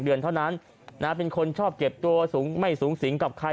เดือนเท่านั้นเป็นคนชอบเก็บตัวสูงไม่สูงสิงกับใคร